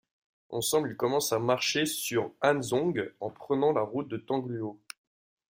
Ensemble, ils commencent à marcher sur Hanzhong en prenant la route de Tangluo.